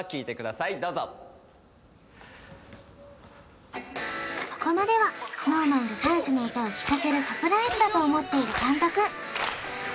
どうぞここまではＳｎｏｗＭａｎが感謝の歌を聴かせるサプライズだと思っている監督